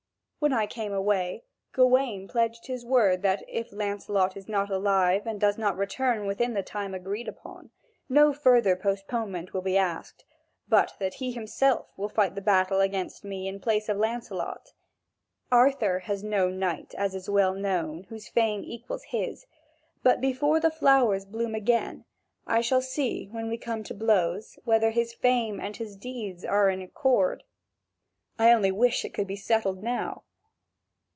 When I came away, Gawain pledged his word that, if Lancelot is not alive and does not return within the time agreed upon, no further postponement will be asked, but that he himself will fight the battle against me in place of Lancelot. Arthur has no knight, as is well known, whose fame equals his, but before the flowers bloom again, I shall see, when we come to blows, whether his fame and his deeds are in accord: I only wish it could be settled now!"